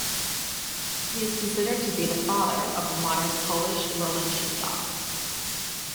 He is considered to be the 'father' of the modern Polish Lowland Sheepdog.